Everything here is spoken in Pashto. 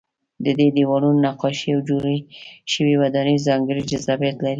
د دې دیوالونو نقاشۍ او جوړې شوې ودانۍ ځانګړی جذابیت لري.